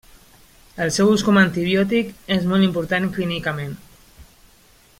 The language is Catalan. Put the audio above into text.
El seu ús com a antibiòtic és molt important clínicament.